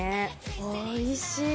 おいしい。